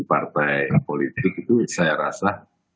partai politik itu saya rasa